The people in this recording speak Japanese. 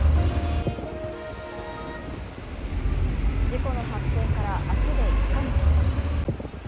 事故の発生から、明日で１カ月です。